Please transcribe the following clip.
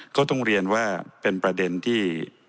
ก็ต้องเรียนว่าเป็นประเด็นที่